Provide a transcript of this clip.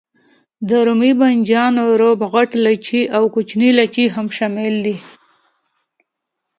د رومي بانجانو روب، غټ لاچي او کوچنی لاچي هم شامل دي.